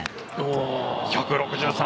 １６３！